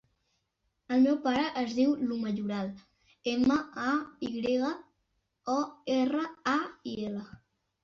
El meu pare es diu Iu Mayoral: ema, a, i grega, o, erra, a, ela.